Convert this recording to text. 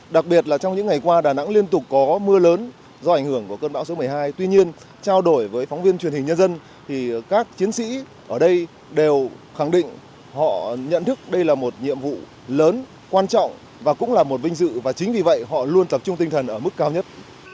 đặc biệt là trong những ngày qua đà nẵng liên tục có mưa lớn do ảnh hưởng của cơn bão số một mươi hai tuy nhiên trao đổi với phóng viên truyền hình nhân dân thì các chiến sĩ ở đây đều khẳng định họ nhận thức đây là một nhiệm vụ lớn quan trọng và cũng là một vinh dự và chính vì vậy họ luôn tập trung tinh thần ở mức cao nhất